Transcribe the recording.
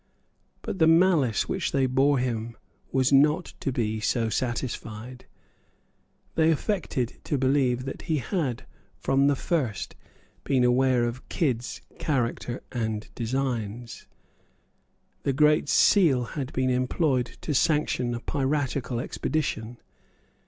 But the malice which they bore to him was not to be so satisfied. They affected to believe that he had from the first been aware of Kidd's character and designs. The Great Seal had been employed to sanction a piratical expedition.